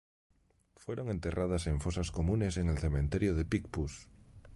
Fueron enterradas en fosas comunes en el cementerio de Picpus.